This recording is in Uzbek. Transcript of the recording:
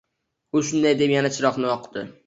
U shunday deb yana chiroqni yoqdi.